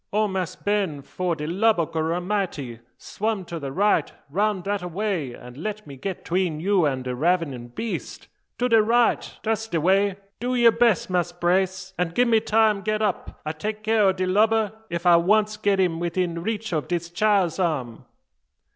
"O Mass' Ben! fo' de lub o' Gorramity, swum to de right, round dat away, an' let me git 'tween you an de ravenin' beast. To de right! da's de way. Do yer bess, Mass' Brace, an' gi' me time get up. I take care o' de lubber ef I once get im widin reach o' dis chile's arm."